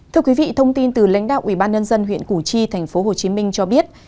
thưa quý vị thông tin từ lãnh đạo ubnd huyện củ chi tp hcm cho biết